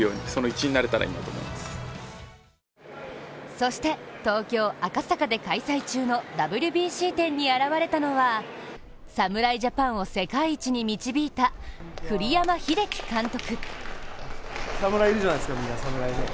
そして東京・赤坂で開催中のＷＢＣ展に現れたのは侍ジャパンを世界一に導いた栗山英樹監督。